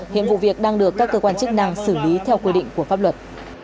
hiện vụ việc đang được các cơ quan chức năng xử lý theo quy định của pháp luật